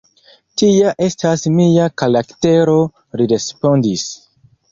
Tia estas mia karaktero, li respondis.